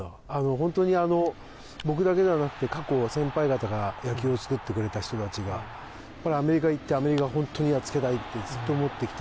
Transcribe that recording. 本当に僕だけではなくて過去先輩方が野球を作ってくれた人たちがアメリカ行ってアメリカを本当にやっつけたいってずっと思ってきた。